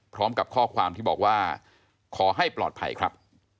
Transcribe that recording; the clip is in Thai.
พร้อมกับข้อความที่บอกว่าขอให้ปลอดภัยครับ